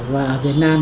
và ở việt nam